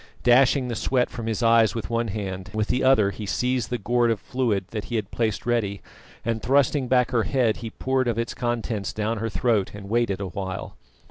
Dashing the sweat from his eyes with one hand, with the other he seized the gourd of fluid that he had placed ready, and thrusting back her head, he poured of its contents down her throat and waited a while.